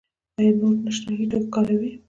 ایا نور نشه یي توکي کاروئ؟